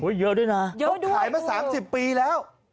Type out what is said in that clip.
ไม่มีเยอะด้วยนะน้องเขาไขมา๓๐ปีแล้ว